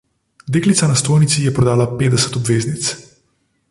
Deklica na stojnici je prodala petdeset obveznic.